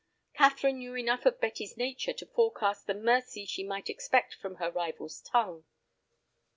Catherine knew enough of Betty's nature to forecast the mercy she might expect from her rival's tongue.